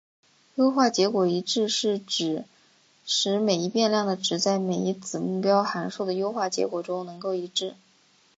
优化结果一致是指使每一变量的值在每一子目标函数的优化结果中能够一致。